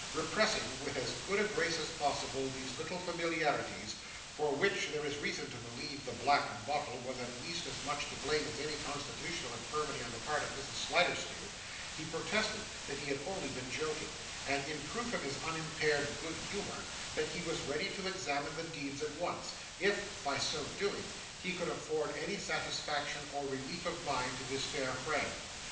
Repressing, with as good a grace as possible, these little familiarities for which, there is reason to believe, the black bottle was at least as much to blame as any constitutional infirmity on the part of Mrs. Sliderskew he protested that he had only been joking: and, in proof of his unimpaired good humour, that he was ready to examine the deeds at once, if, by so doing, he could afford any satisfaction or relief of mind to his fair friend.